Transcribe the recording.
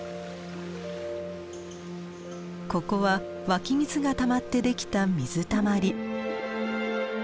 ここは湧き水がたまってできた水たまり。